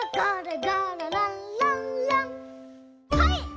はい！